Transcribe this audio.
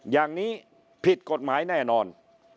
อย่างนี้ผิดกฎหมายแน่นอน